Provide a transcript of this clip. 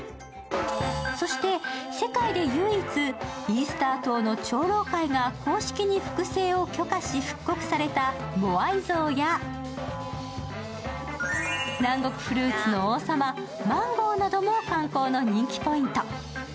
そして世界で唯一イースター島の長老会が公式に複製を許可し復刻されたモアイ像や、南国フルーツの王様、マンゴーなども観光の人気ポイント。